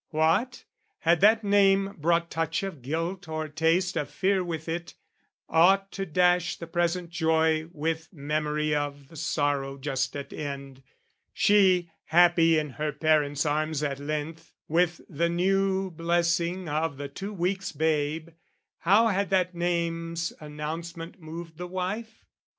What? Had that name brought touch of guilt or taste Of fear with it, aught to dash the present joy With memory of the sorrow just at end, She, happy in her parents' arms at length With the new blessing of the two weeks' babe, How had that name's announcement moved the wife?